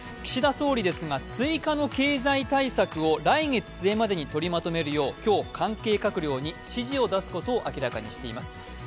岸田総理ですが追加の経済対策を来月末までにとりまとめるよう、今日、関係閣僚に指示を出すことを明らかにしています。